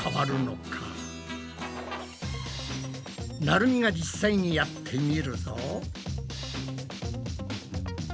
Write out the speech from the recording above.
なるみが実際にやってみると。